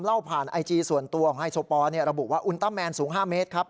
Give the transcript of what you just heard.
เล่าผ่านไอจีส่วนตัวของไฮโซปอลระบุว่าอุลต้าแมนสูง๕เมตรครับ